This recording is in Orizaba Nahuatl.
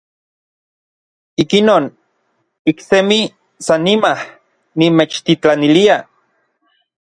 Ikinon, iksemi sannimaj nimechtitlanilia.